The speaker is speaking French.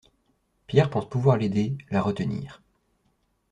Pierre pense pouvoir l’aider, la retenir…